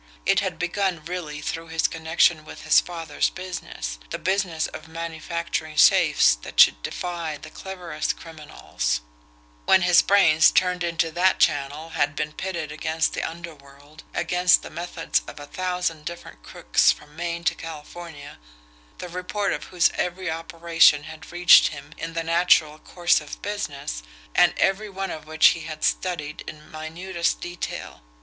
It had begun really through his connection with his father's business the business of manufacturing safes that should defy the cleverest criminals when his brains, turned into that channel, had been pitted against the underworld, against the methods of a thousand different crooks from Maine to California, the report of whose every operation had reached him in the natural course of business, and every one of which he had studied in minutest detail.